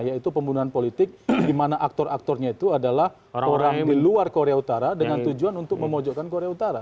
yaitu pembunuhan politik di mana aktor aktornya itu adalah orang di luar korea utara dengan tujuan untuk memojokkan korea utara